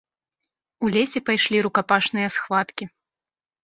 У лесе пайшлі рукапашныя схваткі.